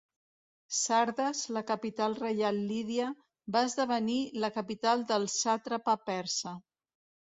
Sardes la capital reial lídia, va esdevenir la capital del sàtrapa persa.